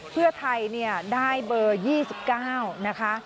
เพื่อไทยได้เบอร์๒๙นะคะ